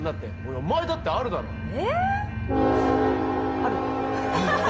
あるか。